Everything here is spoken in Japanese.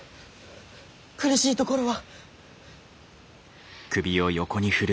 苦しいところは？